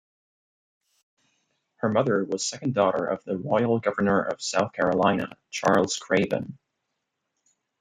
Her mother was second daughter of the Royal Governor of South Carolina, Charles Craven.